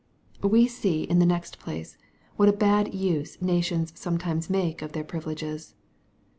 We see, in the next place, what a bad uise nations sometimes m^ke of their privileges.